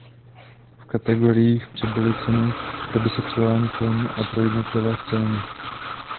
V kategoriích přibyly ceny pro bisexuální film a pro jednotlivé scény.